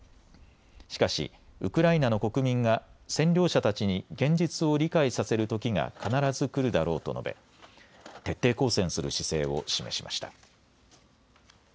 しかしウクライナの国民が占領者たちに現実を理解させるときが必ず来るだろうと述べ徹底抗戦する姿勢を示しました。